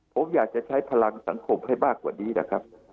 ผมอยากจะใช้พลังสังคมให้มากกว่านี้นะครับ